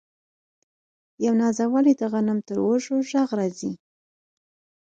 یو نازولی د غنم تر وږو ږغ راځي